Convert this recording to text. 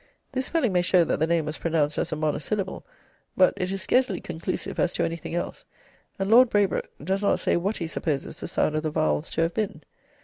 This spelling may show that the name was pronounced as a monosyllable, but it is scarcely conclusive as to anything else, and Lord Braybrooke does not say what he supposes the sound of the vowels to have been.